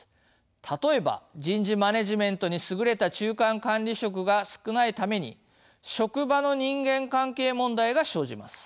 例えば人事マネジメントに優れた中間管理職が少ないために職場の人間関係問題が生じます。